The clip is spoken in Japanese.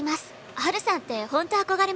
「ハルさんってホント憧れます！」